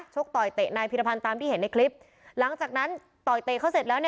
กต่อยเตะนายพิรพันธ์ตามที่เห็นในคลิปหลังจากนั้นต่อยเตะเขาเสร็จแล้ว